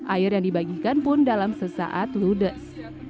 air yang dibagikan pun dalam sesaat ludes